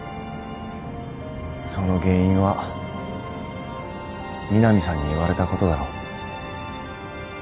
その原因は美波さんに言われたことだろ？